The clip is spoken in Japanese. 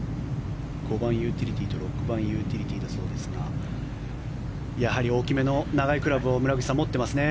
５番ユーティリティーと６番ユーティリティーだそうですがやはり大きめの長いクラブを村口さん、持ってますね。